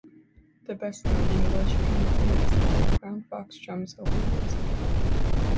The best-known English pangram is The quick brown fox jumps over the lazy dog.